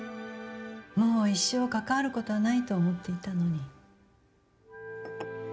もう一生関わることはないと思っていたのに。